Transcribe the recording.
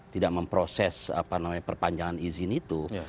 tidak memproses apa namanya perpanjangan izin itu